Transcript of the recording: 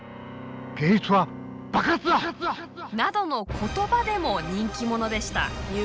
言葉でも人気者でした。